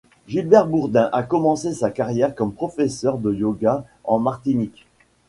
Gilbert Bourdin a commencé sa carrière comme professeur de yoga en Martinique.